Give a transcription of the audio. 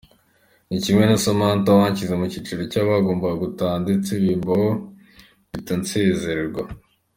Ni kimwe na Samantha wanshyize mu cyiciro cy’abagombaga gutaha ndetse bimbaho mbita nsezererwa.